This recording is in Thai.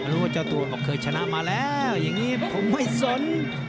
รู้ว่าเจ้าตัวก็เคยชนะมาแล้วอย่างนี้คงไม่สน